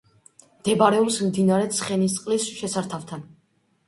მდებარეობს მდინარე ცხენისწყლის შესართავთან.